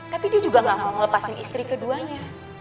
tapi dia juga gak mau melepaskan istri keduanya